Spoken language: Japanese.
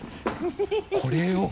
これを。